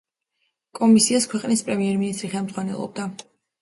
კომისიას ქვეყნის პრემიერ-მინისტრი ხელმძღვანელობდა.